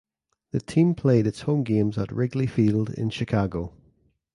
The team played its home games at Wrigley Field in Chicago.